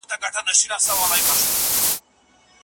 ژېړه نښه څه مانا لري؟